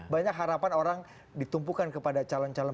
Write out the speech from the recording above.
banyak harapan orang ditumpukan kepada calon calon